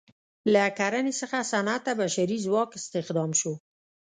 له کرنې څخه صنعت ته بشري ځواک استخدام شو.